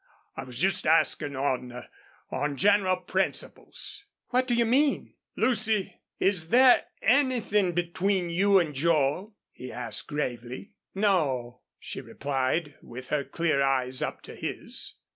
I was just askin' on on general principles." "What do you mean?" "Lucy, is there anythin' between you an' Joel?" he asked, gravely. "No," she replied, with her clear eyes up to his.